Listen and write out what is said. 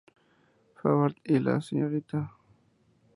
Favart y la Srta.